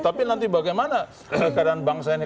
tapi nanti bagaimana keadaan bangsa ini